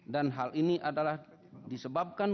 dan hal ini adalah disebabkan